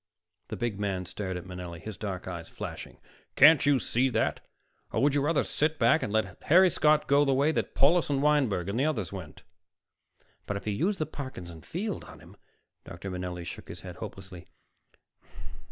The big man stared at Manelli, his dark eyes flashing. "Can't you see that? Or would you rather sit back and let Harry Scott go the way that Paulus and Wineberg and the others went?" "But to use the Parkinson Field on him " Dr. Manelli shook his head hopelessly.